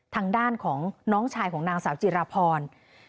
ทางด้านของน้องชายของนางสาวจิราพร